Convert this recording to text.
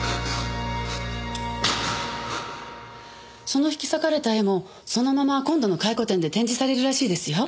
その引き裂かれた絵もそのまま今度の回顧展で展示されるらしいですよ。